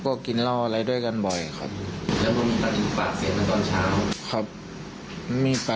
คุณต้องการรู้สิทธิ์ของเขา